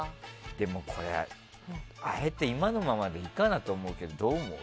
でもあえて今のままでいいかなと思うけどどう思う？